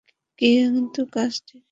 কিন্তু কাজটি কী, তা মনে পড়ছে না।